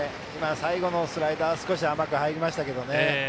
最後のスライダーは少し甘く入りましたけどね。